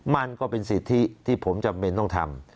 มันก็เป็นสิทธิที่ผมจำเป็นต้องทำ